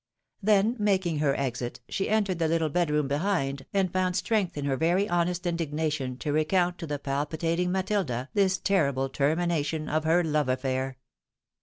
Then making her exit, she entered the little bedroom behind, and found strength in her very honest indigna tion to recount to the palpitating MatUda this terrible termina tion of her love affair.